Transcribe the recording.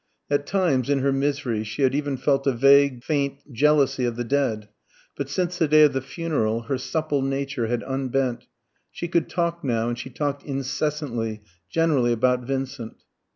At times, in her misery, she had even felt a vague, faint jealousy of the dead. But since the day of the funeral her supple nature had unbent. She could talk now, and she talked incessantly, generally about Vincent.